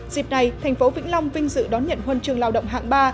dịp này thành phố vĩnh long vinh dự đón nhận huân trường lao động hạng ba